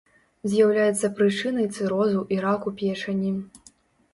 З'яўляецца прычынай цырозу і раку печані.